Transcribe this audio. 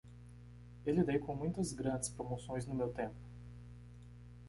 Eu lidei com muitas grandes promoções no meu tempo.